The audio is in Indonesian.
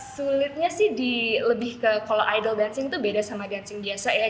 sulitnya sih di lebih ke kalau idol dancing itu beda sama dancing biasa ya